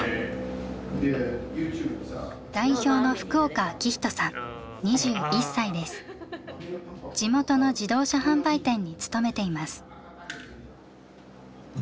代表の地元の自動車販売店に勤めています。